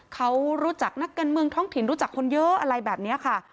เขารู้จักนักการเมืองท้องถิ่นรู้จักคนเยอะอะไรแบบนี้ค่ะ